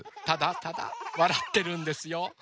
ただただわらってるんですよ。